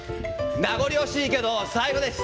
名残惜しいけど最後です。